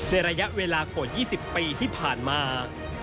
ระยะเวลากว่า๒๐ปีที่ผ่านมา